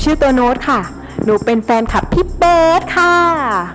ชื่อตัวโน้ตค่ะหนูเป็นแฟนคลับพี่เป๊ดค่ะ